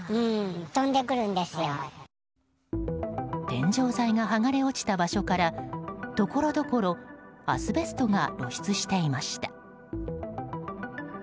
天井材が剥がれ落ちた場所からところどころアスベストが露出していました。